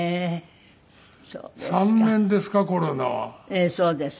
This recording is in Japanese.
ええそうです。